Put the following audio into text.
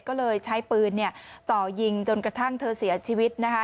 ก็เลยใช้ปืนเนี่ยจ่อยิงจนกระทั่งเธอเสียชีวิตนะคะ